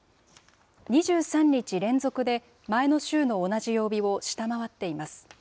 ２３日連続で、前の週の同じ曜日を下回っています。